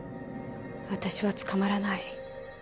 私は捕まらない。